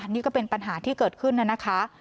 นี่ก็เป็นปัญหาที่เกิดขึ้นนะคะ